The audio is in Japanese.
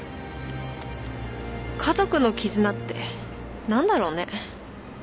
家族の絆って何だろうね。